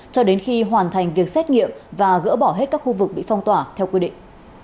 cho đến khi hoàn thành việc xét nghiệm và gỡ bỏ hết các khu vực bị phong tỏa theo quy định